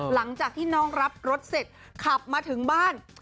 หลังจากที่น้องรับรถเสร็จขับมาถึงบ้าน